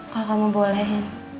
kalau kamu boleh